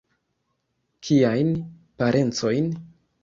Kiajn parencojn?